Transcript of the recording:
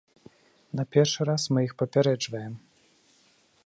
На першы раз мы іх папярэджваем.